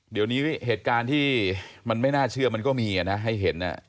เดี๋ยวนี้เหตุการณ์ที่มันไม่น่าเชื่อมันก็มีนะให้เห็น